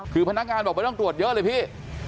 คือพนักงานบอกไม่ต้องตรวจเยอะเลยพี่